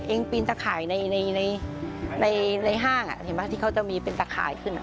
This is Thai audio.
เองปีนตะขายในห้างที่เขาจะมีเป็นตะขายขึ้น